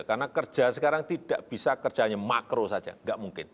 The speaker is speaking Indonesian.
karena kerja sekarang tidak bisa kerjanya makro saja tidak mungkin